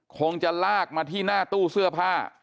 คงจะลากมาที่หน้าตู้เสื้อผ้า